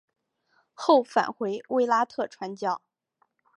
后返回卫拉特传教。